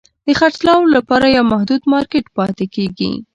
د خرڅلاو لپاره یو محدود مارکېټ پاتې کیږي.